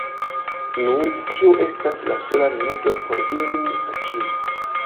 Nu, tio estas la sola rimedo por ilin akiri.